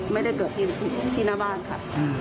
ไม่ได้เกิดที่หน้าบ้านค่ะ